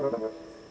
kamu mau ke rumah